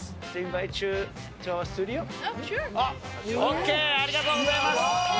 ＯＫ、ありがとうございます。